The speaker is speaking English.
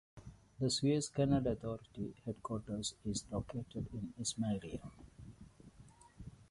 The Suez Canal Authority headquarters is located in Ismailia.